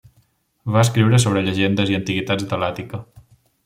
Va escriure sobre llegendes i antiguitats de l'Àtica.